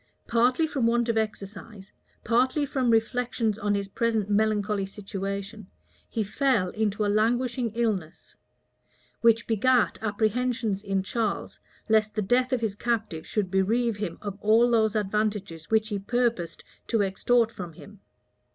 Partly from want of exercise, partly from reflections on his present melancholy situation, he fell into a languishing illness; which begat apprehensions in Charles, lest the death of his captive should bereave him of all those advantages which he purposed to extort from him.